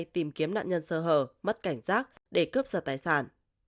tìm kiếm nạn nhân sơ hở mất cảnh giác để cướp giật tài sản